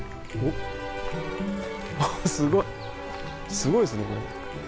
すごいですねこれ。